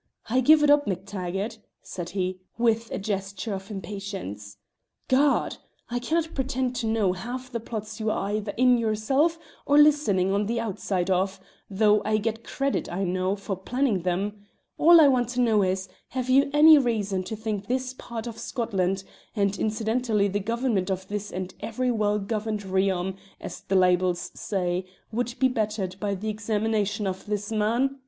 "I give it up, MacTaggart," said he, with a gesture of impatience. "Gad! I cannot pretend to know half the plots you are either in yourself or listening on the outside of, though I get credit, I know, for planning them. All I want to know is, have you any reason to think this part of Scotland and incidentally the government of this and every well governed realm, as the libels say would be bettered by the examination of this man?